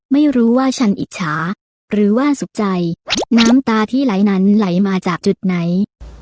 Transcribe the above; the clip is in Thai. ไม่รู้ว่าฉันอิจฉาหรือว่าสุขใจน้ำตาที่ไหลนั้นไหลมาจากจุดไหน